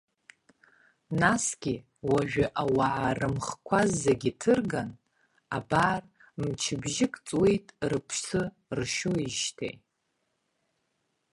Насгьы уажәы ауаа рымхқәа зегьы ҭырган, абар, мчыбжьык ҵуеит рыԥсы ршьоижьҭеи.